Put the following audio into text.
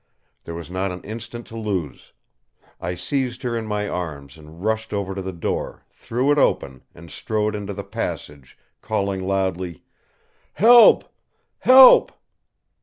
There was not an instant to lose. I seized her in my arms and rushed over to the door, threw it open, and strode into the passage, calling loudly: "Help! Help!"